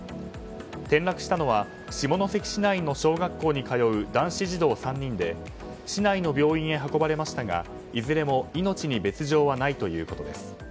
転落したのは下関市内の小学校に通う男子児童３人で市内の病院へ運ばれましたがいずれも命に別条はないということです。